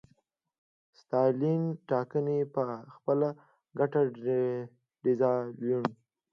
ستالین ټاکنې په خپله ګټه ډیزاینولې.